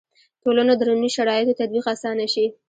ټولنو دروني شرایطو تطبیق اسانه شي.